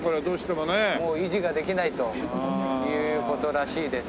もう維持ができないという事らしいです。